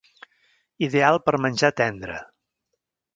Ideal per menjar tendre.